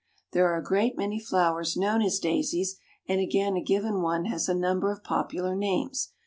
There are a great many flowers known as daisies and again a given one has a number of popular names.